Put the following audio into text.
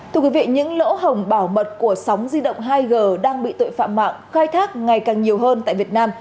thưa quý vị những lỗ hồng bảo mật của sóng di động hai g đang bị tội phạm mạng khai thác ngày càng nhiều hơn tại việt nam